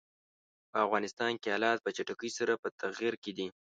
په افغانستان کې حالات په چټکۍ سره په تغییر کې دي.